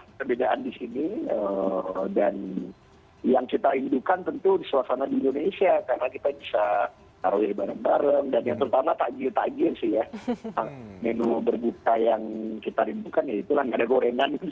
gak ada gorengan bisa kita nikmati